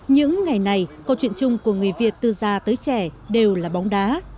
những ngày này câu chuyện chung của người việt từ già tới trẻ đều là bóng đá